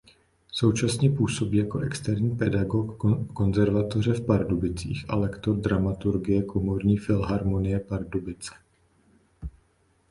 Současně působí jako externí pedagog Konzervatoře v Pardubicích a lektor dramaturgie Komorní filharmonie Pardubice.